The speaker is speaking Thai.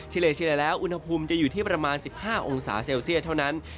เลเฉลี่ยแล้วอุณหภูมิจะอยู่ที่ประมาณ๑๕องศาเซลเซียสเท่านั้น